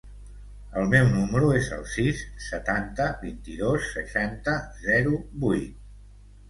El meu número es el sis, setanta, vint-i-dos, seixanta, zero, vuit.